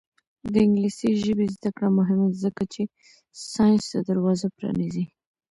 د انګلیسي ژبې زده کړه مهمه ده ځکه چې ساینس ته دروازه پرانیزي.